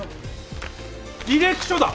履歴書だ！